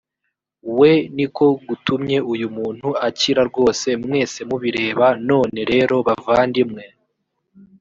we ni ko gutumye uyu muntu akira rwose mwese mubireba none rero bavandimwe